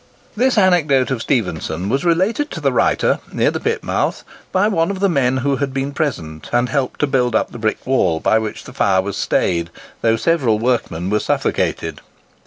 This anecdote of Stephenson was related to the writer, near the pit mouth, by one of the men who had been present and helped to build up the brick wall by which the fire was stayed, though several workmen were suffocated.